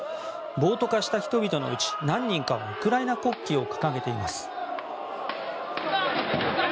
暴徒化した人々のうち何人かはウクライナ国旗を掲げています。